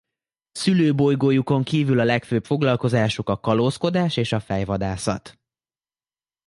Szülőbolygójukon kívül a legfőbb foglalkozásuk a kalózkodás és fejvadászat.